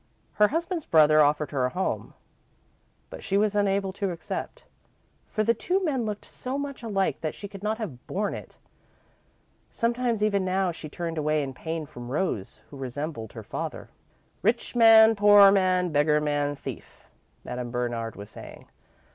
Her husband's brother offered her a home, but she was unable to accept, for the two men looked so much alike that she could not have borne it. Sometimes, even now, she turned away in pain from Rose, who resembled her father. "'Rich man, poor man, beggar man, thief,'" Madame Bernard was saying.